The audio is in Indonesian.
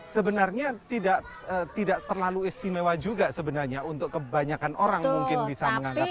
sebenarnya tidak terlalu istimewa juga sebenarnya untuk kebanyakan orang mungkin bisa menganggap